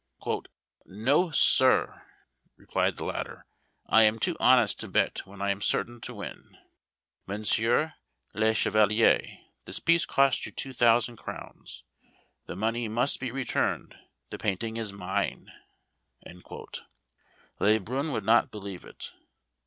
"No, sir," replied the latter, "I am too honest to bet when I am certain to win. Monsieur le Chevalier, this piece cost you two thousand crowns: the money must be returned, the painting is mine." Le Brun would not believe it.